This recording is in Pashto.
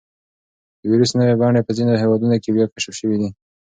د وېروس نوې بڼې په ځینو هېوادونو کې بیا کشف شوي دي.